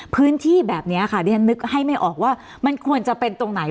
พื้นที่แบบนี้ค่ะดิฉันนึกให้ไม่ออกว่ามันควรจะเป็นตรงไหน